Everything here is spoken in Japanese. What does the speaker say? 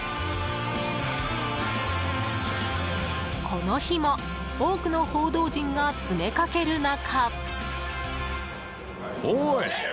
この日も多くの報道陣が詰めかける中。